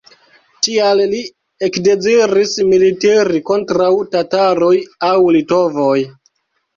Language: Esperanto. Tial li ekdeziris militiri kontraŭ tataroj aŭ litovoj!